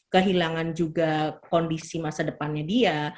kehilangan juga kondisi masa depannya dia